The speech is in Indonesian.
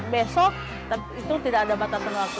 besok itu tidak ada batasan waktu